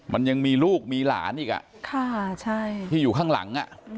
มันยังมีลูกมีหลานอีกที่อยู่ข้างหลัง